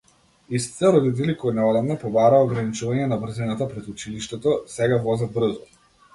Истите родители кои неодамна побараа ограничување на брзината пред училиштето, сега возат брзо.